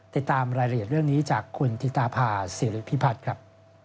ติดตามรายละเอียดเรื่องนี้จากคุณธิตาภาษีริพิพัฒน์ครับ